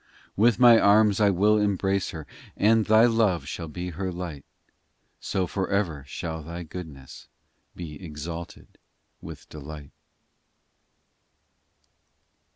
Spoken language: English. With My arms I will embrace her And Thy love shall be her light, So for ever shall Thy goodness Be exalted with delight.